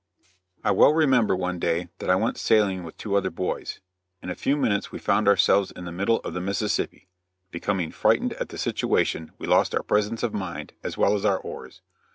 I well remember one day that I went sailing with two other boys; in a few minutes we found ourselves in the middle of the Mississippi; becoming frightened at the situation we lost our presence of mind, as well as our oars.